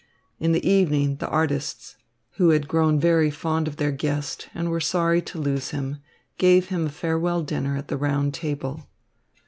In the evening the artists, who had grown very fond of their guest and were sorry to lose him, gave him a farewell dinner at the round table.